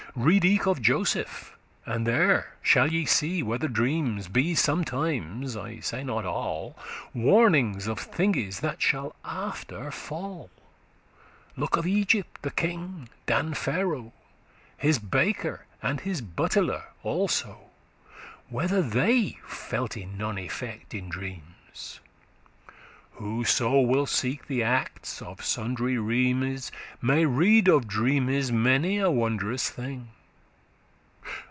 Read eke of Joseph, and there shall ye see Whether dreams be sometimes (I say not all) Warnings of thinges that shall after fall. Look of Egypt the king, Dan Pharaoh, His baker and his buteler also, Whether they felte none effect* in dreams. *significance Whoso will seek the acts of sundry remes* *realms May read of dreames many a wondrous thing.